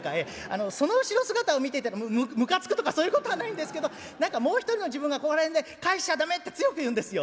その後ろ姿を見ていたらむむかつくとかそういうことはないんですけど何かもう一人の自分がここら辺で『帰しちゃ駄目』って強く言うんですよ。